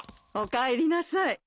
おかえりなさい。